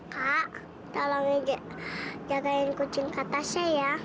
kak tolong jagain kucing kak tasya ya